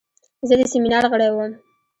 زه د سیمینار غړی وم.